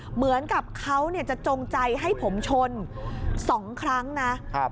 เหมือนกับเขาจะจงใจให้ผมชน๒ครั้งนะ